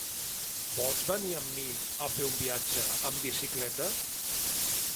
Vols venir amb mi a fer un viatge amb bicicleta?